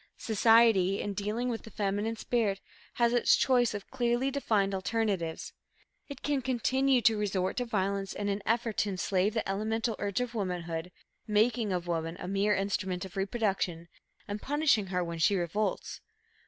Society, in dealing with the feminine spirit, has its choice of clearly defined alternatives. It can continue to resort to violence in an effort to enslave the elemental urge of womanhood, making of woman a mere instrument of reproduction and punishing her when she revolts.